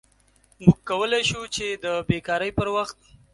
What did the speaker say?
موږ کولی شو چې د بیکارۍ پر وخت